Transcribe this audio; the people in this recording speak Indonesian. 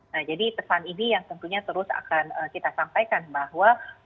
nah jadi pesan ini yang tentunya terus akan kita sampaikan bahwa